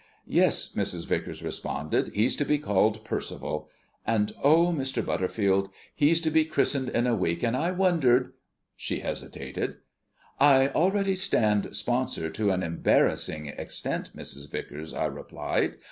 "Yes," Mrs. Vicars responded, "he's to be called Percival; and oh, Mr. Butterfield, he's to be christened in a week, and I wondered " She hesitated. "I already stand sponsor to an embarrassing extent, Mrs. Vicars," I replied.